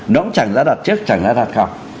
nó cũng chẳng là đặt trước chẳng là đặt không